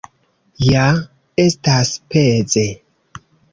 Ja estas peze!